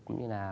cũng như là